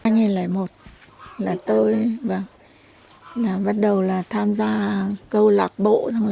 năm hai nghìn một là tôi bắt đầu là tham gia câu lạc bộ